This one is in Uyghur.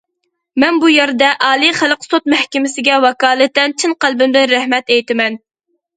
مەن بۇ يەردە، ئالىي خەلق سوت مەھكىمىسىگە ۋاكالىتەن چىن قەلبىمدىن رەھمەت ئېيتىمەن!